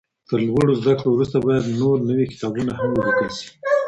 تر لوړو زده کړو وروسته باید نور نوي کتابونه هم ولیکل سي.